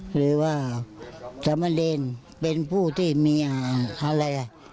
หรือว่าสามเณรเป็นผู้ที่มีอะไรอ่ะ